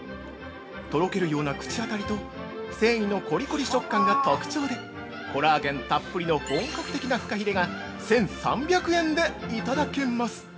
とろけるような口当たりと繊維のこりこり食感が特徴で、コラーゲンたっぷりの本格的なふかひれが１３００円でいただけます！